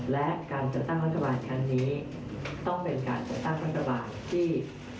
และการจัดตั้งรัฐบาลครั้งนี้ต้องเป็นการจัดตั้งรัฐบาลที่